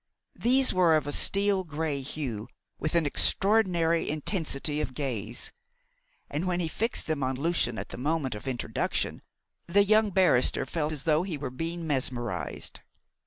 These were of a steel grey hue, with an extraordinary intensity of gaze; and when he fixed them on Lucian at the moment of introduction the young barrister felt as though he were being mesmerised.